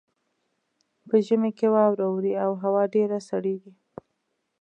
په ژمي کې واوره اوري او هوا ډیره سړیږي